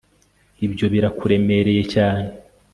ibyo birakuremereye cyane